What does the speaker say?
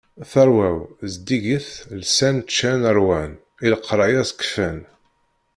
Tarwa-w zeddigit lsan, ččan rwan, i leqraya sekfan.